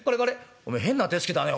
「おめえ変な手つきだねええ？